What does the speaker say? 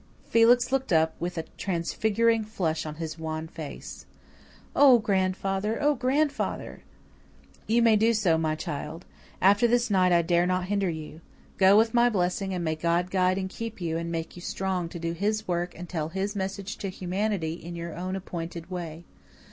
Felix looked up, with a transfiguring flush on his wan face. "Oh, grandfather! Oh, grandfather!" "You may do so, my child. After this night I dare not hinder you. Go with my blessing, and may God guide and keep you, and make you strong to do His work and tell His message to humanity in your own appointed way.